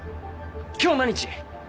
今日何日？